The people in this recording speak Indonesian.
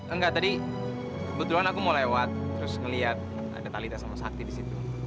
enggak tadi kebetulan aku mau lewat terus ngeliat ada talita sama sakti di situ